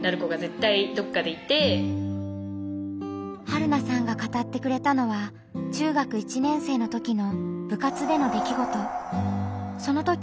はるなさんが語ってくれたのは中学１年生のときの部活での出来ごと。